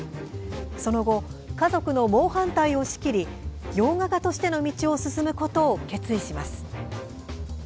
その後、家族の猛反対を押し切り洋画家としての道を進むことを決意します。